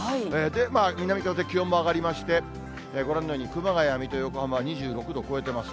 南風、気温も上がりまして、ご覧のように熊谷、水戸、横浜は２６度超えてます。